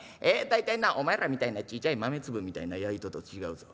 大体なお前らみたいなちいちゃい豆粒みたいな灸と違うぞ。